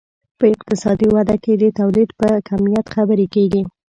په اقتصادي وده کې د تولید په کمیت خبرې کیږي.